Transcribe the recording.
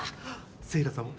セイラさんは？